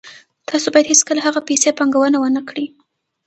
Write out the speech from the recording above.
تاسو باید هیڅکله هغه پیسې پانګونه ونه کړئ